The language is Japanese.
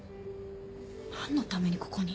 何のためにここに？